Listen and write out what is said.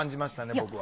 僕は。